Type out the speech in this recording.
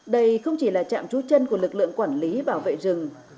đây không chỉ là trạm trú chân của lực lượng quản lý bảo vệ rừng